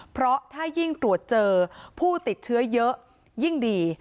เพราะถ้ายิ่งตรวจเจอผู้ติดเชื้อเยอะยิ่งดี